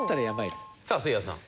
さあせいやさん。